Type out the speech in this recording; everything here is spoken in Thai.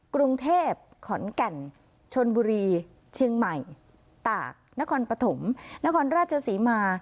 กรุงเทพขอนแก่นชนบุรีเชียงใหม่ตากนครปฐมนครราชศรีมา